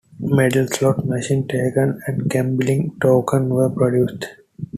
Medals, slot machine tokens and gambling tokens were produced.